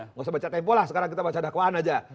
nggak usah baca tempo lah sekarang kita baca dakwaan aja